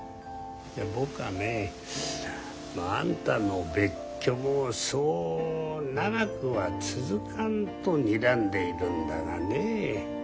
僕はねあんたの別居もそう長くは続かんとにらんでいるんだがねえ。